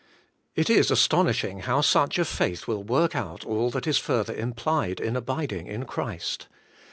It is astonishing how such a faith will work out all that is further implied in abiding in Christ.